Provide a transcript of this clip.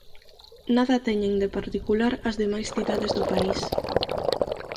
Nada teñen de particular as demais cidades do país: